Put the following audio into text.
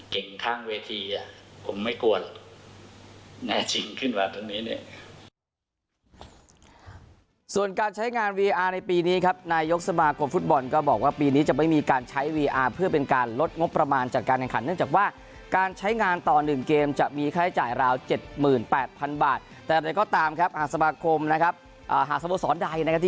เก่งข้างเวทีผมไม่กลัวแน่จริงขึ้นมาตอนนี้